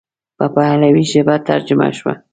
په پهلوي ژبه ترجمه شوه.